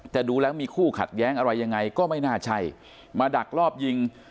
แต่ดูแล้วมีคู่ขัดแย้งอะไรยังไงก็ไม่น่าใช่มาดักรอบยิง